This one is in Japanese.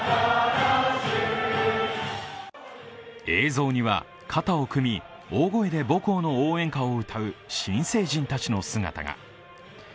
映像には、肩を組み、大声で母校の応援歌を歌う新成人たちの姿が。